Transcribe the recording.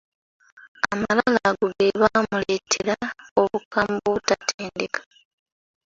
Amalala ago ge Baamuleetera obukambwe obutatendeka.